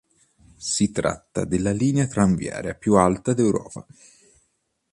Si tratta della linea tranviaria più alta d'Europa.